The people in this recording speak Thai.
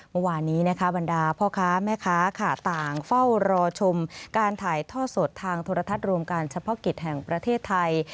เมื่อวานนี้นะคะบรรดาพ่อค้าแม่ค้าค่ะต่างเฝ้ารอชมการถ่ายทอดสดทางโทรทัศน์รวมการเฉพาะกิจแห่งประเทศไทย